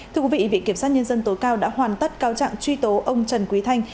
thưa quý vị viện kiểm sát nhân dân tối cao đã hoàn tất cao trạng truy tố ông trần quý thanh